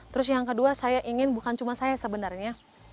terus yang kedua saya ingin bukan cuma saya sebenarnya